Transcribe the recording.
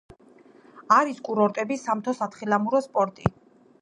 არის კურორტები, სამთო-სათხილამურო სპორტი.